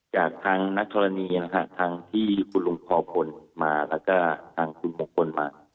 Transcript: จากทางนักธรณีนะฮะทางที่คุณลุงพอพลมาแล้วก็ทางคุณมงคลมา